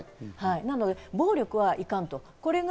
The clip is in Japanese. なので暴力はいかんと。